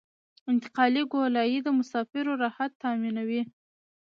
انتقالي ګولایي د مسافرو راحت تامینوي